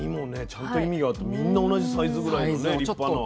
ちゃんと意味があってみんな同じサイズぐらいのね立派の。